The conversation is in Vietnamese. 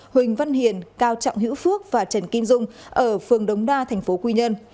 huỳnh văn hiền cao trọng hữu phước và trần kim dung ở phường đống đa thành phố quy nhơn